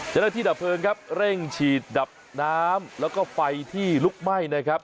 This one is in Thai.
ดับเพลิงครับเร่งฉีดดับน้ำแล้วก็ไฟที่ลุกไหม้นะครับ